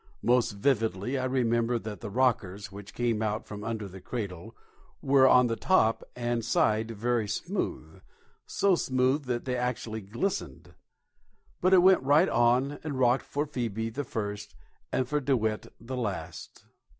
Most vividly I remember that the rockers, which came out from under the cradle, were on the top and side very smooth, so smooth that they actually glistened. But it went right on and rocked for Phoebe the first, and for DeWitt the last.